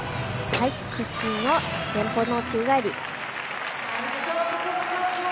屈伸の前方の宙返り。